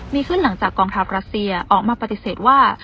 มีขึ้นหลังจากกองทัพรัสเซียออกมาปฏิเสธว่า